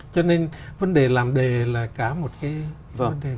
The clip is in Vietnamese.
cho nên vấn đề làm đề là cả một cái vấn đề